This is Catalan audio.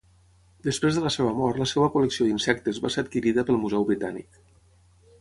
Després de la seva mort la seva col·lecció d'insectes va ser adquirida pel Museu britànic.